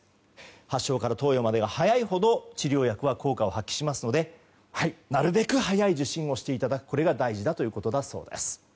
発症から投与までが早いほど治療薬は効果を発揮しますのでなるべく早い受診をしていただくこれが大事だということだそうです。